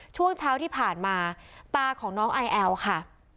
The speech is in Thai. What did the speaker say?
ช่วงเช้าที่ผ่านมาตาของน้องไอแอลค่ะ